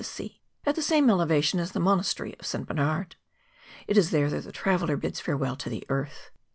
tlie sea, at the same elevation as the monastery of St. Bernard. It is there that the traveller bids fare¬ well to the earth.